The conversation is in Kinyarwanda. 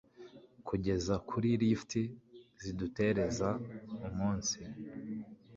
Kugeza kuri lift zidutereza umunsi ...